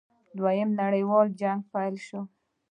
دویم نړیوال جنګ پیل شو.